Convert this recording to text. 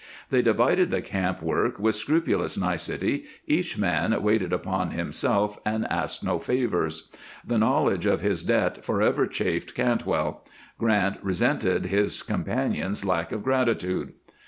They divided the camp work with scrupulous nicety, each man waited upon himself and asked no favors. The knowledge of his debt forever chafed Cantwell; Grant resented his companion's lack of gratitude.